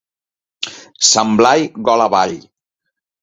Sant Blai, gola avall!